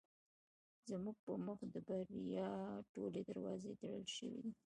زموږ په مخ د بریا ټولې دروازې تړل شوې دي.